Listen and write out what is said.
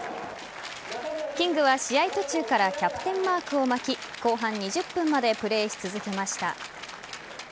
キングは試合途中からキャプテンマークを巻き後半２０分までプレーし続けました。